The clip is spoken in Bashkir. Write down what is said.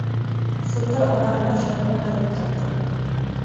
Сытыр араһына шырпы һыҙып тыҡты.